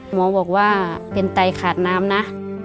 หมอบอกว่าเป็นไตขาดน้ำนะ